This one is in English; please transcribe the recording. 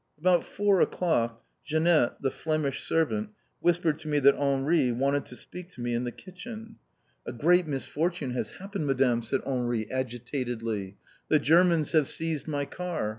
About four o'clock, Jeanette, the Flemish servant, whispered to me that Henri wanted to speak to me in the kitchen. "A great misfortune has happened, Madame!" said Henri, agitatedly. "The Germans have seized my car.